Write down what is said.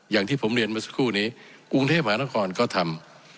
อย่างที่ผมเรียนเมื่อสักครู่นี้กรุงเทพหานครก็ทำ